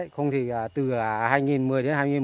không thì từ hai nghìn một mươi đến hai nghìn một mươi một